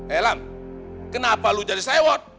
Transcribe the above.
helm kenapa lo jadi sewot